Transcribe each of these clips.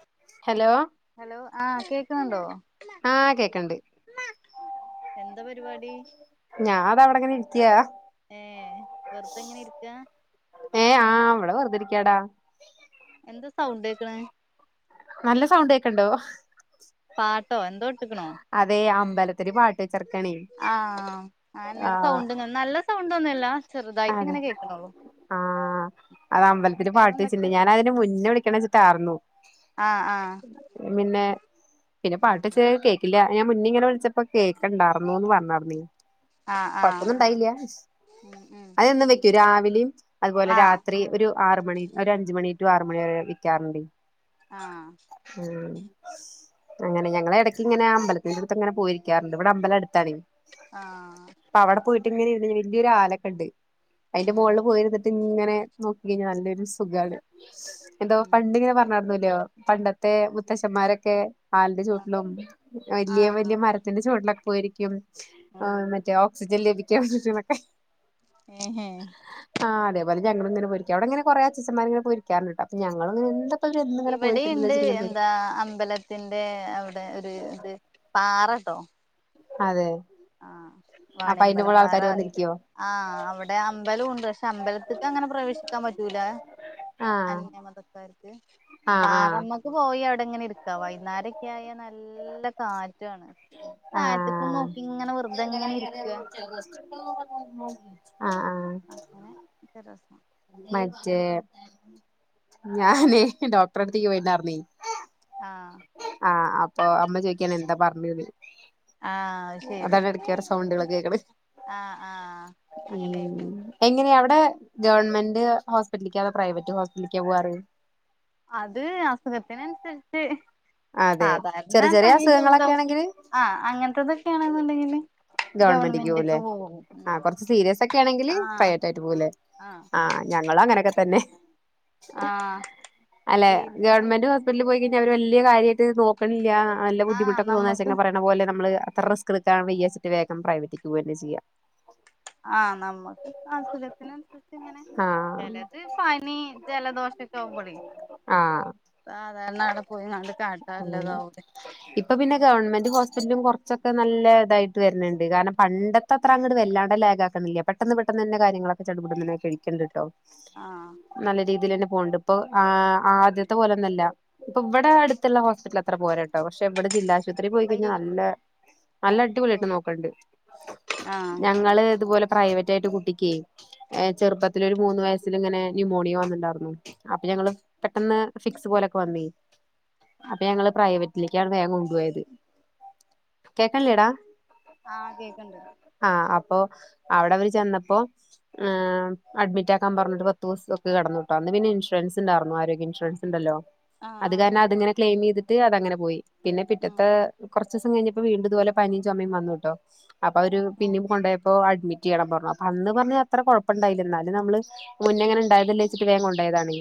ആ hello hello ആഹ് കേക്കുന്നുണ്ടോ? ആഹ കേക്കണ്ട് എന്താ പരിപാടി ഞാന അത അവിടെങ്ങനെ ഇരിക്കയ ഏർ വെറുത്തെ എങ്ങനെ ഇരിക്കാ ഏയ് ആ വിടെ വെറുതിരിക്കാടാ എന്താ സൗണ്ട്ക്കണ നല്ല സൗണ്ട് ഒക്കണ്ടാവോ എക്കണോ അതെ അമ്പലത്തില് പാട്ട് വെച്ചെർക്കാണേ ആഹ അരു ആഹ് സൗണ്ട് ഒന്നും നല്ല സൗണ്ട് ഒന്നുമില്ല ആ ചെറുതായിട്ട ഇങ്ങനെ കേൾക്കണള്ളോ ആഹ അത് അമ്പലത്തിന് പാട്ട് വേറെന്തൊക്കെ വെച്ചില്ലേ ഞാതിനന് മുന്നേ വിളിക്കണ വെച്ചിട്ടായിർന്നു ആഹ ആഹ പിന്നെ പിന്നെ പാട്ട ള കേക്കില്ല ഞാൻ മുന്നി ഇങ്ങനെ വിളിച്ചപ്പോ കേക്ക്ണ്ടായിന്നുന്ന് പറഞ്ഞ നീ ആഹ് ആഹ് കൊഴപ്പൊന്നും ഇണ്ടായില്ല അതന്ന് വെക്കൂ രാവിലെയും അതുപോലെ ആഹ് രാത്രി ഒരു ആറു മണി ഒരു അഞ്ച മണി ടു ആറു മണി വരെ വെക്കാറുണ്ട് ആഹ അങ്ങനെ ഞങ്ങളുടെ ഇടയ്ക്ക് ഇങ്ങനെ അമ്പലത്തിന്റെ അടുത്ത്ങ്ങനെ പോയിരിക്കാറുണ്ട് ഇവിടെ അമ്പലം അടുത്താണ ആഹ ഇങ്ങനെ വലിയൊരു ആലക്കണ്ട് ഉം അതിന്റെ മുകളിൽ പോയിരുന്നിട്ട് ഇങ്ങനെ നോക്കി കഴിഞ്ഞാൽ നല്ലൊരു സുഖമാണ് എന്താ ഉം പണ്ടിങ്ങനെ പറഞ്ഞായിരുന്നലോ പണ്ടത്തെ മുത്തശ്ശന്മാരൊക്കെ ആലിന്റെ ചൂട്ടിലും വലിയ ആഹ് വലിയ മരത്തിന്റെ ചൂടിലൊക്കെ പോയിരിക്കും ആഹ് മറ്റേ ഓക്സിജൻ ലഭിക്കാരിക്കൊക്കെ ആ ഹഹ ആ അതേപോലെ ഞങ്ങെരിക്ക അവിടെങ്ങനെ കു അച്ചന്മാരിങ്ങനെൊരിക്കാറുണ്ട് അൊ ഞങ്ങ എ ഇവിടെുണ്ട് എന്താ അമ്പലത്തിന്റെ അവിടെ ഒരു ഇത് പാറടോ അതെ ആഹ അപ്പൊ അതിന്റെ വാണിമ്പലം മോളിൽ ആൾക്കാര് പാറാറി വന്നിരിക്കോ ആഹ അവിടെ അമ്പലം ഉണ്ട് അ മ്പലത്തിക്ക അങ്ങനെ പ്രവേശിക്കാൻ പറ്റൂല ആഹ് അന്യമതക്കാര് ആഹ് ആഹ് പാറമ്മക്ക് പോയി അവിടെ ങ്ങനെ ഇരിക്ക വൈകുന്നേരൊക്കെ ആയാ നല്ല കാറ്റാണ് ഇങ്ങനെ വെറുതെ ന്ത ഇങ്ങനെ ഇരിക്കാ അ അങ്ങനെ ഇത്ര രസം മറ്റേ ഞാനേ ഡോക്ടറെ അടുത്തേക്ക് പോയിണ്ടായിർന്നേ ആഹ് ആഹ അപ്പൊ അമ്മ ചോദിക്കൻ എന്താ പറഞ്ഞുന്ന് ആഹ് അത് ശരി അതാണ് അടുക്കറ സൗണ്ട് ഇളക്ക കടെ ആഹ് ആഹ് അങ്ങനെ മ് കഴിക്കണം എങ്ങനെ അവടെപ് ഗവൺമെന്റ് ഹോസ്പിറ്റലിക്കാ അതോ പ്രൈവറ്റ് ഹോസ്പിറ്റലിക്കാ പൂവാറ് അത് അസുഖത്തിനൻസര്ച്ച് അതെ സാധാരണ ചെറിയ ചെറിയ പനി, അസുഖങ്ങളൊക്കെ ജദോഷം ആണെങ്കില് ആഹ് അങ്ങനത്തതെക്കേണ് ന്ന്ണ്ടെങ്കില് ഗവൺമെന്റിക്ക് പോകുലേ ആഹ് കൊറച്ച് സീരിയസൊക്കേണെങ്കില് ആഹ് പ്രൈവറ്റ് ആയിറ്റ് ആഹ് പോകുല്ലേ. ആഹ് ഞ ങ്ങളും അങ്ങനെക്കത്തന്നെ ആഹ് അല്ലെ സീരിയസ് ഗവൺമെൻറ് ആയിട്ടുള്ള ഹോസ്പിറ്റലിൽ പോയി എന്തെങ്കിലും കൈഞ്ഞാ ഓല് വൽ കാര്യായിറ്റ് നോക്കണില്ല ആഹ് ബുദ്ധിമുട്ടൊക്കെ നമ്മക്ക് തോന്നാച്ചെങ്കി പറേണ പോലെ നമ്മള് അത്ര റിസ്ക്കെട്ക്കാം വെയ്യാച്ച്ട്ട് വേഗം പ്രൈവറ്റ്ക്ക് പോവന്നേ ചെയ്യാ ആഹ് നമ്മക്ക് അസുഖത്തിനൻസരിച്ചിങ്ങനെ ആഹ് ചെലത് പനി, ജലദോഷൊക്കാവുമ്പളേ സാധാരണ അവടെ പോയ്‌ങ്ങാണ്ട് മ് ഇപ്പ പിന്നെ ഗവൺമെന്റ് ഹോസ് പിറ്റലും കൊർച്ചൊക്കെ നല്ല ഇതായിട്ട് വര്ണ് ണ്ട്. കാരണം പണ്ടത്തെ അത്തത്ര ങ്ങട് വല്ലാണ്ട് ലാഗാക്ക്ണില്ല. പെട്ടെന്ന് പെട്ടന്ന് പെട്ടന്നന്നെ കാര്ങ്ങളൊക്കെ ചെട് പ്ട്ന്നനെ കഴിക്ക്ണ് ണ്ട്ട്ടോ ആഹ് നല്ല രീതിൽ തന്നെ പോണ് ണ്ട്. ഇപ്പൊ ആഹ് ആദ്യത്തെ പോലെന്നല്ല ഇപ്പൊ ഇവടെ അട് ത്ത്ള്ള ഹോസ്പിറ്റൽ അത്ര പോരട്ടോ. പക്ഷെ വടെ ജില്ലാശ് പത്രീ പോയി കഴിഞ്ഞാ കയ്യകി നല്ല നല്ല അടിപൊള്യായിറ്റ് സോപ്പിട്ട് നോക്ക്ണ് ണ്ട്. ആഹ് ഞങ്ങള് ത്പോലെ പ് പ്രൈവറ്റ് ആയിറ്റ് കുട്ടിക്കേയ് ചെർപ്പത്തിലൊര് മൂന്ന് വെയസിലിങ്ങനെ ന്യുമോണിയ വന്ന്ണ്ടാർന്നു അപ്പ ഞങ്ങള് പെട്ടെന്ന് ഫിക്സ് പോലക്കെ വന്നേയ് അപ്പ ഞങ്ങള് പ്രൈവറ്റിലേക്കാണ് വേഗം കൊണ്ട് പോയത് കേക്കൺല്ലേടാ ആഹ് കേക്ക്ണ്ട് അപ്പോ അവടെ അവര് ചെന്നപ്പോ ആഹ് അഡ്മിറ്റാക്കാൻ പറഞ്ഞിട്ട് പത്ത് ദുവസൊക്കെ കടന്നൂട്ടോ അന്ന്. പിന്നെ ഇൻഷുറൻസ് ണ്ടാർന്നു ആരോഗ്യ ഇൻഷുൻസ് ണ്ടല്ലോ ആഹ് ആഹ് ക്ലെമീത്ട്ട് അതങ്ങനെ പോയി. പിന്നെ ഉം പിറ്റത്തെ കൊർ ച്ചൂസം കഴിഞ്ഞപ്പോ വീണ്ടും ഇത്പോലെ പനീം ചൊമീം ചുമയും വന്നൂട്ടോ അപ്പവര് പിന്നീം കൊൺ അപ്പോ അഡ്മിറ്റീയണം പറഞ്ഞു അപ്പ അന്ന് പറഞ്ഞത്രാ കോഴപ്പണ്ടായില്ല ന്നാലും നമ്മള് മുന്നെങ്ങനെ ണ്ടായതല്ലേച്ച്ട്ട് വേം കൊണ്ടോയതാണ്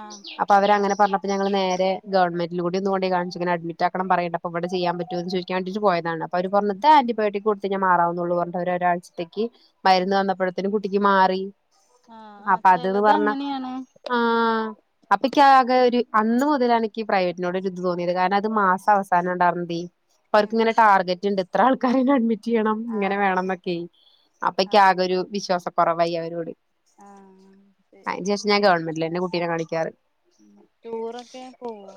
ആഹ് അപ്പം അവര് അങ്ങനെ പറഞ്ഞപ്പോ ഞങ്ങള് നേരെ ഗവൺമെന്റിലുങ്കൂടി ഒന്ന്‌ കൊണ്ടോയ് കാണിച്ച് ങ്ങനെ അഡ്മിറ്റാക്കണം പറീണ് ണ്ട്. അപ്പവടെ ചെയ്യാം പറ്റോന്ന് ചോയ്ക്കാം വേണ്ടീറ്റ് പോയതാണ്. അപ്പം അവര് പറഞ്ഞു ഇത് ആന്റിബയോട്ടിക്ക് കൊട്ത്താമാറാവുന്നുള്ളു. പറഞ് അവരോ ഒരാഴ്ച്ചത്തേക്ക് മരുന്ന് തന്നപ്പോഴത്തേ ട്ടിക്ക് മാറി ആഹ് ആഹ് അപ്പം അത് ന്ന് ചെലത് പറഞ്ഞ അങ്ങനെയാണ് ആഹ് അപ്പക്കാകെ അന്ന് മുതലാണിക്കീ പ്രൈവറ്റിനോടൊരിത് തോന്നീത്. കാരണം അത് മാസം അവസാനാണ്ടാർന്നതെയ്. ഉം അവര്ക്ക്ങ്ങനെ ടാർഗറ്റ്ണ്ട് ഇത്രാൾക്കാരേനെ അഡ് മിറ്റീയ്യണം ഇങ്ങനെ ആഹ് വേണന്നൊക്കെയ്. ആഹ് അപ്പക്കാകെ ഒര് വിശ്വാസ ക്കൊറവായി അവരോട് ആഹ് ശരി അയ്ന് ശേഷം ഞാൻ ഗവൺമെന്റി ലെന്നേ കുട്ടീനെ കാണിക്കാറ്. ടൂറൊക്കെ പോവോ?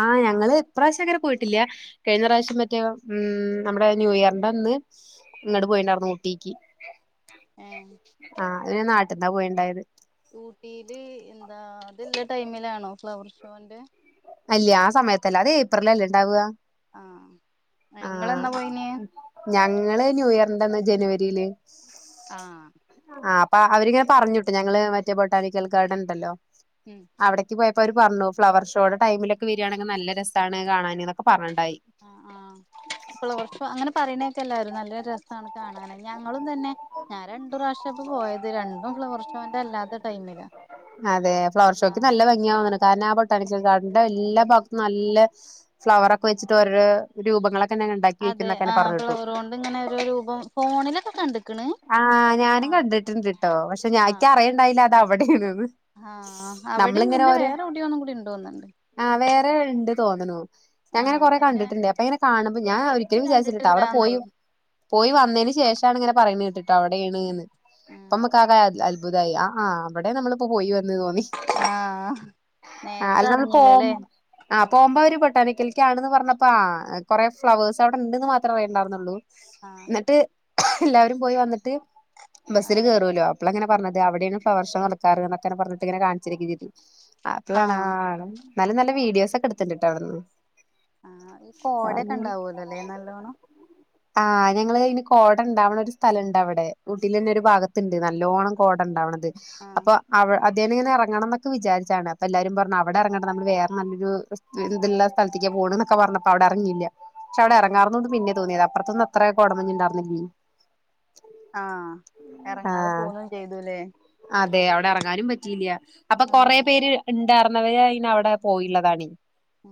ആഹ് ഞങ്ങള് ഇപ്രാശ്യം അങ്ങനെ പോയിട്ടില്ല കഴിഞ്ഞ പ്രാവശ്യം മറ്റേ മ് നമ്മടെ ന്യൂയർന്റെ അന്ന് ഇങ്ങട് പോയീണ്ടാര്ന്നു ഊട്ടീക്ക് ഏ അത് ഞാൻ നാട്ട്ന്നാ പോയീണ്ടായത് ഊട്ടീല് എന്താ അത് ല്ലെ ടൈമിലാണോ ഫ്ലവർഷോന്റെ? അല്ല ആ സമയത്തല്ല അത് ഏപ്രിലല്ലേ ഇണ്ടാവ്വാ ആഹ് ഇങ്ങളെന്നാ പോയീനെ ഞങ്ങള് ന്യൂയർന്റെ അന്ന് ജെന് വരീല്. ആഹ് അപ്പ അവരിങ്ങനെ പറഞ്ട്ടോ ഞങ്ങള് മറ്റേ ബൊട്ടാനിക്കൽ ഗാർഡൻണ്ടല്ലോ അവ്ടക്ക് പോയ പ്പ അവര് പർഞ്ഞു ഫ്ലവർഷോടെ ടൈമിലോക്കെ വെരാണെങ്കില് നല്ല രസാണ് കാണാന് ന്നോക്കെ പർഞ് ആ ആഹ് ഇപ്പോള ഉറപ്പ അങ്ങനെ പറയുന്നേ എല്ലാവരും നല്ല രസമാണ് കാണുന്നത് ഞങ്ങളും തന്നെ ഞാൻ രണ്ടു പ്രാവശ്യ ഇപ്പ പോയത് രണ്ടും ഫ്ലവർ ോന്റെ അല്ലാത്ത ടൈമില്ല അതെ ഫ്ലവർ ഷോയ്ക്ക് നല്ല ഭംഗിയ കാരണം ആട്ട എല്ലാ ഭാഗത്തും നല്ല ഫ്ലവർ ഒക്കെ വെച്ചിട്ട് ഓരോ രൂപങ്ങളൊക്കെ ഉണ്ടാക്കി വക്കൊക്കെ പറഞ്ഞിട്ടു അണ്ട് ഇങ്ങനെ രൂപം ഫോണിലൊക്കെ കണ്ട ആഹ് ഞാനും കണ്ടിട്ടിണ്ട്ിട്ടോ പക്ഷെ ഞിക്ക അറിയണ്ടായില്ല അത് അവിടെന്ന് ആഹ അവിടെയും പിന്നെ വേറെ വിടിയോന്നും കൂടി ഉണ്ടോന്നണ്ട് ആഹ് വേറെ ഉണ്ട് തോന്നണുന്നു ആ അങ്ങനെ കൊറെ പക്ഷെ കണ്ടിട്ടുണ്ട് അപ്പൊ ഇങ്ങനെ കാണുമ്പോൾ ഞാൻ ഒരിക്കലും വിചാരിച്ചിട്ടാ അവിടെ ആ പോയി പോയി വന്നതിന് ശേഷാണ് ഇങ്ങനെ പറയുന്ന കേട്ട ട്ട അവിടെണ് ഉം ഉം ആകെ അത്ഭുതായി ആഹാ അവിടെ നമ്മളിപ്പോ പോയി വ ന്ന് തോന്നി ആ അ നേരത്തെ നമ്മള് പോം അറിഞ്ഞില്ലല്ലേ ആ പോവുമ്പോ അവര് പട്ടാണി ക്കൽ ആണന്ന് പറഞ്ഞപ്പ ആ കൊറെേ ഫ്ലവേഴ്സ് അവിടെ ഉണ്ട്ന്ന് മാത്രേ അറിയേണ്ടായിരുന്നുള്ളൂ ആഹ് എന്നിട്ട് എല്ലാവരും പോയി വന്നിട്ട് ബസില് ആഹ് കേറുവല്ലോ അപ്പളെങ്ങനെ പറഞ്ഞത് അവിടെയാണ് ഫ്ളവർഷോ നടക്കാറ് എന്നൊക്കെ പറഞ്ഞിട്ട് ഇങ്ങനെ കാണിച്ചിരിക്ക ചെയ്തി അപ്പളാണ് ആ ആഹ് നല്ല നല്ല വീഡിയോസ് ഒക്കെ എടുത്തിണ്ട്ട്ടാ അവിടെന്ന് ആ ഈ കോടയക്കെ ഇണ്ടാവല്ലോല്ലെ നല്ലോണം ആഹ് ഞങ്ങളയിന് കോട ഉണ്ടാവണ ഒരു സ്ഥലണ്ട് അവിടെ ഊട്ടിൽ തന്നെ ഒരു ഭാഗത്തുണ്ട് നല്ലോണം കോട ഉണ്ടാവണത് ആഹ് അപ്പൊ അവ അദ്ദേഹം ഇങ്ങനെ ഇറങ്ങണം എന്നൊക്കെ വിചാരിച്ചാണ് അപ്പൊ എല്ലാരും പറഞ്ഞു അവിടെ ഇറങ്ങണം നമ്മൾ വേറെ നല്ലൊരു ഇതുള്ള സ്ഥലത്തി ക്ക് പോണ്ന്നക്കെ പറഞ്ഞപ്പോ അവിടെ അറിങ്ങില്ല പക്ഷെ അവിടെ ഏഹ് ഇറങ്ങാറന്ന് പിന്നെ തോന്നിയത് അപ്പറത്ത് ഒന്ന് അത്ര കോടമഞ്ഞ് ഉണ്ടായിരുന്നില്ല ആഹ് ആ എറങ്ങാതെ അ പോന്നും ചെയ്തുല്ലേ അതെ അവിടെ ഇറങ്ങാനും പറ്റിയില്ല അപ്പൊ കൊറെ ആഹ് പേര് ഉണ്ടായിർന്നവ അയിന് അവിടെ പോയിള്ളതാണ് ആ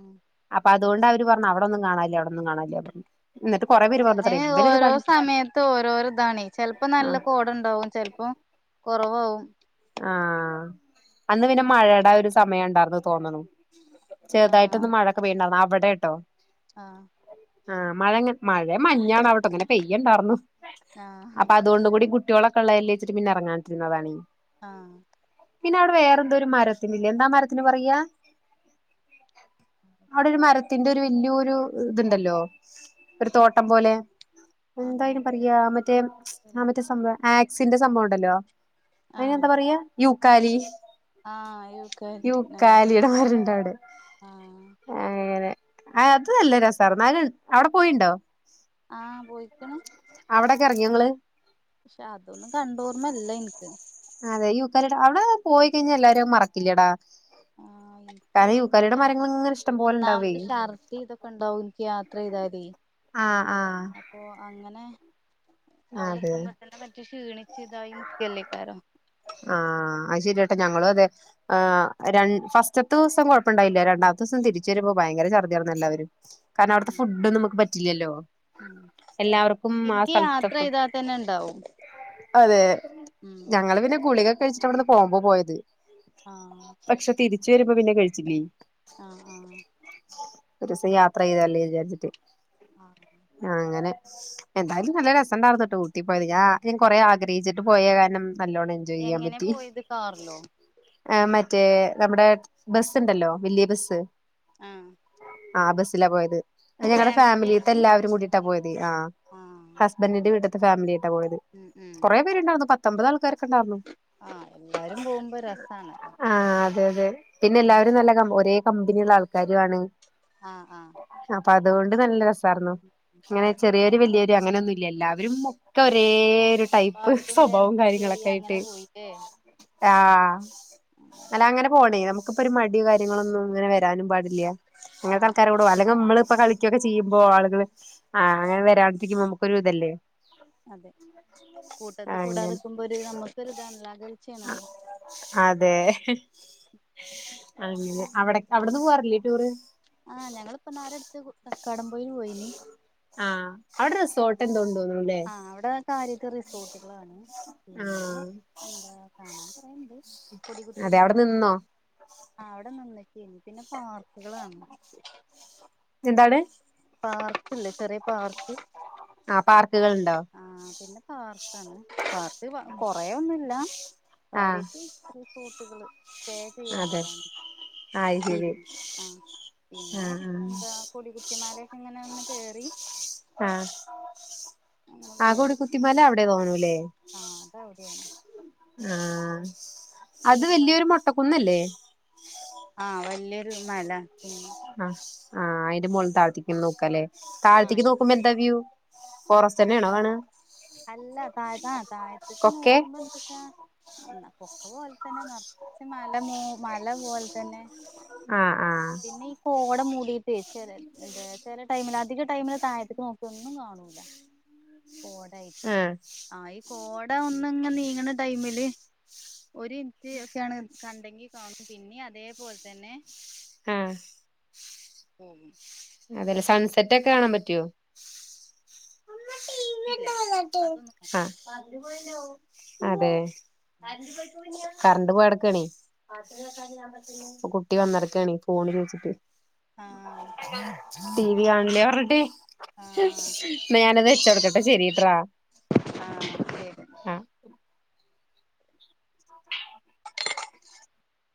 അപ്പ അതൊണ്ട് അവര് പറഞ്ഞ അവിടൊന്നും കാണല്ലേ അവിടെന്നും കാണല്ലേ പറഞ്ഞ് ഓരോ സമയത്ത് ഓ രോഓരോ ഇതാണ് ചെലപ്പോ നല്ല ആഹ് കോട ഉണ്ടാവും ചെലപ്പോ കുറവാവും ആ അന്ന് പിന്നെ മഴയുടെ ഒരു സമയ ഉണ്ടായി ർന്ന് തോന്നുന്നു ചെറുതായിട്ടൊന്ന് മഴൊക്കെ പെയ്യ്ണ്ടാർന്നു അവിടെട്ടോ ആ ആഹ് മഴ മഴയ മഞ്ഞാണ് അവിട്ട ഇങ്ങനെ പെയ്യുണ്ടായിന്നു ആഹ് അപ്പൊ അതുകൊണ്ട് കൂടി കുട്ടികളൊക്കെള്ളായില്ലേച്ചട്ട പിന്നെ ഇറങ്ങാതിരുന്നതാണ് ആ പിന്നെ അവിടെ വേറെന്തോ ഒരു മരത്തിന്ല്ലെ എന്താ മരത്തിന് പറയാ അവിടെ ഒരു മരത്തിന്റെ ഒരു വല്ലിയൊരു ഇതുണ്ടല്ലോ ഒരു തോട്ടം പോലെ എന്തായിനി അങ്ങനത്തെ പറയാ അ. മറ്റേ ആ മറ്റേ സംഭവം ആക്സിന്റെ സംഭവം ഉണ്ടല്ലോ അതിനെന്താ പറയാ യൂക്കാലി ആ യൂക്കാലി യൂക്കാലിയുടെ മരണ്ട് ആ ആ അത് നല്ല രസാർന്നു അവിടെ പോയിണ്ടോ ആ പോയിക്ക്ണ് അയിക്കെ ഇറങ്ങി ങ്ങള് കണ്ടോർമ്മല്ല എനിക്ക് അതെ യുക്കാലി അവിടെ പോയി കഴിഞ്ഞാൽ എല്ലാരും മറക്കില്ലേടാ ആഹ് എനിക്ക് ഓർമ്മ ഞാന് ഉണ്ടാവേ ഒന്നാമത് ഷർദി ഇതൊക്കെ ഉണ്ടാവും എനിക്ക് യാത്ര ചെയ്തല് ആ അപ്പൊ അങ്ങനെ അവിടെ അതെ എത്തുമ്പോ തന്നെ മറ്റു ക്ഷീണിച്ചു ഇതായി നിക്കല്ലേക്കാ രാം ആ അത് ശരിയട്ടെ ഞങ്ങള്അതെ ആ. ഫസ്റ്റ്ത്തെ ദിവസം കുഴപ്പംണ്ടായില്ല. രണ്ടാമത്തെ ദിവസം തിരിച്ചു വരുമ്പോൾ ഭയങ്കര ഛർദ്ദിയായിര്ന്ന് എല്ലാവരും. കാരണം അവിടുത്തെ ഫുഡൊന്നും നമുക്ക് പറ്റില്ലല്ലോ. എല്ലാവർക്കും ആ ഇൻക്ക് സ്ഥലത്തെ യാത്ര ഫുഡ് ചെയ്താതന്നെ ഇണ്ടാവും. അതെ. ഞങ്ങൾ പിന്നെ ഗുളികൊക്കെ കഴിച്ചിട്ട ഇവിടന്ന് പോവുമ്പോ പോയത്. ആ ഉച്ചരുമ്പ പിന്നേം കഴിച്ചില്ലേ? ആഹ് ഒരുസം യാത്ര ചെയ്തല്ലേ വിചാരിച്ചിട്ട്. ആഹ് ആ അങ്ങനെ. എന്തായാലും നല്ല രസംണ്ടായിർന്ന്ട്ടോ ഊട്ടിപ്പോയത് ഞാ ഞാൻ കൊറേ ആഗ്രഹിച്ചിട്ട് പോയ കാരണം നല്ലോണം ചെയ്യാം എങ്ങനെ പറ്റി. പോയത് കാറിലോ ആ മറ്റേ നമ്മുടെ ബസ് ഉണ്ടല്ലോ വലിയ ബസ്സ്. ആ. ആ ബസ്സിലാ പോയത്. ഞങ്ങടെ ഫാമിലിത്തെ ആയിട്ട് എല്ലാവരും കൂടീട്ടാ അങ്ങനെ പോയത്. ആ ആഹ് ഹസ്ബൻഡിന്റെ വീട് ഫാമിലി ആയിട്ടാ പോയത്. ഉം ഉം കുറേ പേരുണ്ടായിരുന്നു. പത്തൊമ്പത് ആൾക്കാരൊക്കെ ഇണ്ടായിരുന്നു. ആഹ് എല്ലാരും പോകുമ്പോ രസാണല്ലോ ആ അതെ അതെ. പിന്നെ എല്ലാവരും നമ്മള് നല്ല കം ഒരേ കമ്പനിയുള്ള ആൾക്കാരു ആണ്. ആ. ആ. അപ്പൊ അതുകൊണ്ട് നല്ല രസായിരുന്നു. ഇങ്ങനെ പാട്ടും ചെറിയോര് വല്യോര് ഡാൻസും അങ്ങനൊന്നുല്ല. എല്ലാവരും മൊത്തം ഒരേ ഒരു ടൈപ്പ് പാട്ടും സ്വഭാവം ഡാൻസൊക്കെ കാര്യങ്ങളൊക്കെ ആയി ട്ട് അങ്ങനെ പോയില്ലേ ആ അല്ല അങ്ങനെ പോണേ നമു ക്കിപ്പൊ ഒരു മടി കാര്യങ്ങളൊന്നും ഇങ്ങനെ വരാനും പാടില്ല. അങ്ങനത്തെ ആഹ് ആൾക്കാരെ ആഹ് കൂടെ അല്ലെങ്കി ഇമ്മള് ഇപ്പൊ കളിക്കൊക്കെ ചെയ്യുമ്പോ ആള്കള് ആ അങ്ങനെ വരാണ്ടിരിക്കുമ്പോ നമുക്കൊരു ഇതല്ലേ. അതെ കൂട്ടത്ത് അങ്ങനെ കൂടാതെക്കുമ്പോ ഒരു നമ്മുക്കൊരു ഇതാണല്ലോ അകൽച്ചയാണല്ലോ ആ അതെ. അങ്ങനെ. അവിടെ അവിടെന്ന് പോവാറില്ലേ ടൂറ്. കടം പോയിയില് പോയിനി. ആ. അവിടെ റിസോട്ട് എന്തോ ഉണ്ടോന്ന് ആ. അവിടെ കാര്യായിട്ട് റിസോർട്ടുകളാണ്. പിന്നെ ആഹ് എന്താ കാണാം കൊറേ ഇണ്ട് കൊടികുത്തി അതെ മല അവിടെ ഇണ്ട്. നിന്നോ ആ അവിടെ നിന്നക്കെയ്ന്. പിന്നെ പാർക്കുകളാണ്. എന്താണ്. പാർക്കില്ലേ. ചെറിയ പാർക്ക് ആ പാർക്ക്കള്ണ്ടോ. ആഹ് പിന്നെ പാർക്കാണ്. പാർക്ക് കൊറേ ഒന്നുല്ല ആഹ് കാര്യായിട്ട് റിസോട് ട്ട്കള്. സ്റ്റേ ചെയ്യാലൊ അതെ അതാണ് അയ് ശരി ആ. പിന്നെ. ആഹ് എന്താ. കൊടികുത്തിമലൊക്കെ ഇങ്ങനെ ഒന്ന് കേറി ആ. അങ്ങനെ ആ കൊടി പോന്നു കുത്തി മല അവിടെയാ തോന്നണ് ആ. അതവിടെയാണ്. ആ. ഇത് അത് വല്യൊരു മൊട്ടക്കുന്നല്ലേ? ആ വല്യൊരു മല. പിന്നെ ആ ആ. അയിന്റെ മുകളിൽ താഴ്ത്തിക്ക് നോക്കാല്ലേ. ആഹ് താഴ്ത്തിക്ക് നോക്കുമ്പോ എന്താ വ്യൂ. ഫോറസ്റ്റ് തന്നെ ആണോ എനിക്ക് കാണാ അല്ല താഴ ആ തായ്ത്ത്ക്ക് കൊക്കെ നോക്കുമ്പ എന്തച്ചാ പൊക്ക പോലെ തന്നെ നെറച്ച് മലന്നെ മല പോലെ തന്നെ. ആഹ് ആഹ് പിന്നെ ഈ കോട മൂ ടീറ്റ് ചെല എന്ത് ചെല ടൈമില് അധിക ടൈമില് താഴത്തേക്ക് നോക്കിയ ഒന്നും കാണൂല്ല. കോടായിട്ട്. ആഹ് ആ ഈ കോട ഒന്നങ്ങ് നീങ്ങ്ണ ടൈമില് ഒരു മിൻറ്റ് ഒക്കെയാണ് കണ്ടെങ്കി കാണും. പിന്നെയും അതേപോലെ തന്നെ ഏഹ് ഉം അതല്ല സൺസെറ്റ് ഒക്കെ കാണാൻ പറ്റിയോ [unintelligible] [unintelligible] ഇല്ല അതൊന്നും അതെ കറണ്ട് പോയടക്കാണെ കുട്ടി വന്നടക്കണീ ഫോണ് ചോയിച്ചിട്ട് ആഹ് ടിവി കാണല്ലേ പറിഞ്ഞിട്ട് ആഹ് ആഹ് ന്ന വെച്ച് കൊടുക്കട്ടെ ശെരിട്ര ആ ശെരി [inaudible]